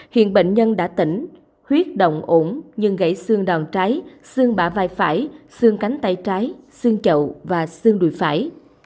hiện bệnh nhân đã tỉnh huyết động ổn nhưng gãy xương đòn trái xương bả vai phải xương cánh tay trái xương chậu và xương đùi phải